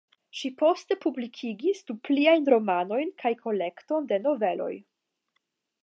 Ŝi poste publikigis du pliajn romanojn kaj kolekton de noveloj.